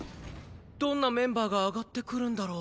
どんなメンバーが上がってくるんだろう？